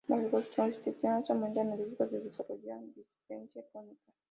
Las gastroenteritis aumentan el riesgo de desarrollar dispepsia crónica.